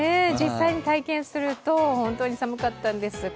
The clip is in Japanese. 実際に体験すると本当に寒かったんです。